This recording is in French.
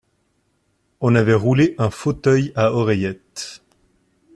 On avait roulé un fauteuil à oreillettes.